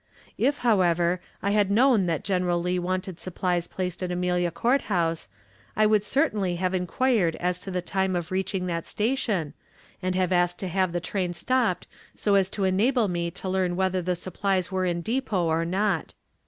If, however, I had known that General Lee wanted supplies placed at Amelia Court House, I would certainly have inquired as to the time of reaching that station, and have asked to have the train stopped so as to enable me to learn whether the supplies were in depot or not.